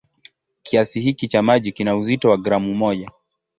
Kiasi hiki cha maji kina uzito wa gramu moja.